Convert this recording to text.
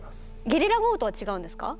ゲリラ豪雨とは違うんですか？